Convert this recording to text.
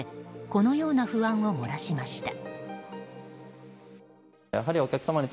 このような不安を漏らしました。